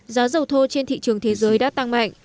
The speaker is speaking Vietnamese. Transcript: giá dầu thô trên thị trường thế giới đã tăng mạnh